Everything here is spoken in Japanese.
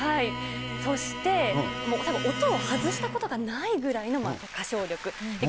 そして、たぶん音を外したことがないぐらいの歌唱力。